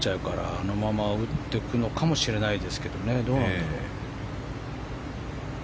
あのまま打っていくのかもしれないですけど。